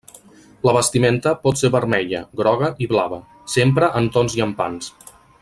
La vestimenta pot ser vermella, groga i blava; sempre en tons llampants.